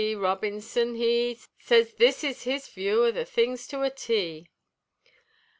Robinson he Sez this is his view o' the things to a T.